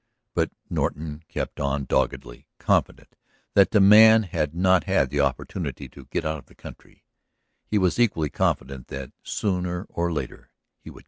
But Norton kept on doggedly; confident that the man had not had the opportunity to get out of the country, he was equally confident that, soon or late, he would get him.